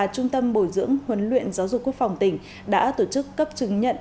trung tâm bồi dưỡng huấn luyện giáo dục quốc phòng tỉnh đã tổ chức cấp chứng nhận